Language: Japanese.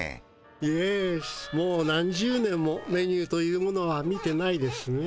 イエスもう何十年もメニューというものは見てないですね。